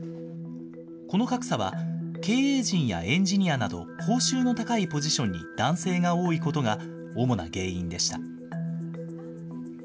この格差は、経営陣やエンジニアなど、報酬の高いポジションに男性が多いことが、主な原因でした。